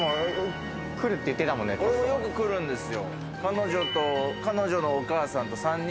俺、よく来るんですよ。